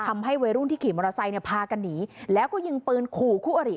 วัยรุ่นที่ขี่มอเตอร์ไซค์เนี่ยพากันหนีแล้วก็ยิงปืนขู่คู่อริ